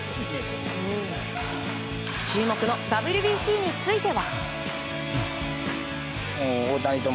注目のＷＢＣについては。